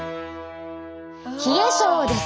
冷え症です。